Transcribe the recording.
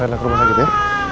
saya akan ke rumah sakit ya